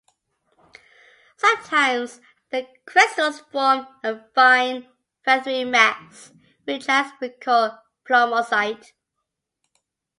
Sometimes the crystals form a fine feathery mass which has been called plumosite.